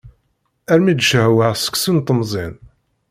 Armi d-cehwaɣ seksu n temẓin.